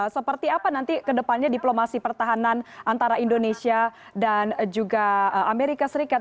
seperti apa nanti kedepannya diplomasi pertahanan antara indonesia dan juga amerika serikat